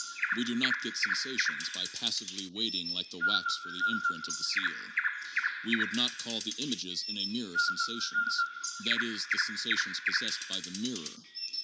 We do not get sensations by passively waiting like the wax for the imprint of the seal. "We would not call the images in a mirror sensations (that is, the sensations possessed by the mirror).